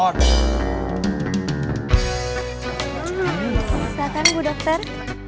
selamat datang bu dokter